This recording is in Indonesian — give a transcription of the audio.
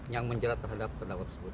yang menjerat terhadap terdakwa tersebut